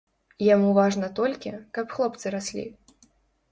Яму важна толькі, каб хлопцы раслі.